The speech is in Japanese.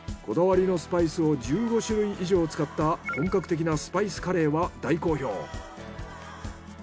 こだわりのスパイスを１５種類以上使った本格的なスパイスカレーは大好評。